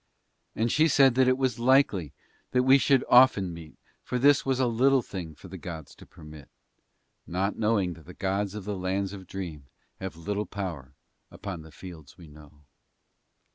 And she said that it was likely that we should often meet for that this was a little thing for the gods to permit not knowing that the gods of the Lands of Dream have little power upon the fields we know.